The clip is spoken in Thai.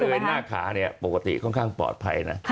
หน้าขาเนี่ยปกติค่อนข้างปลอดภัยนะ